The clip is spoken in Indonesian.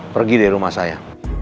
pergi dari rumah saya